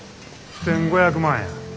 １，５００万や。